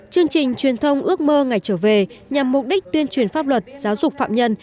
chương trình truyền thông ước mơ ngày trở về nhằm mục đích tuyên truyền pháp luật giáo dục phạm nhân